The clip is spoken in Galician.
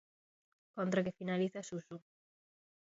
Contra que finaliza Suso.